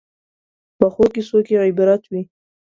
پخو کیسو کې عبرت وي